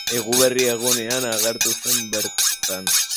Eguberri egunean agertu zen bertan.